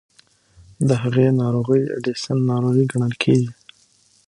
د هغې ناروغۍ اډیسن ناروغي ګڼل کېږي.